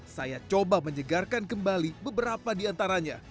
saya coba menyegarkan kembali beberapa di antaranya